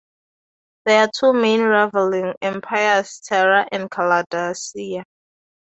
There are two main rivaling empires: Terra and Kaladasia.